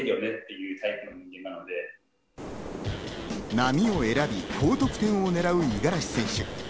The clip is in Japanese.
波を選び高得点をねらう五十嵐選手。